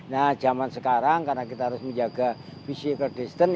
nah zaman sekarang karena kita harus menjaga physical distance